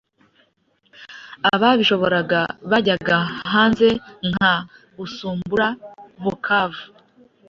Ababishoboraga bajyaga hanze nka Usumbura Bukavu.